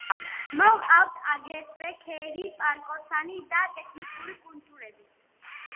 მოჰყავთ აგრეთვე ქერი, პარკოსანი და ტექნიკური კულტურები.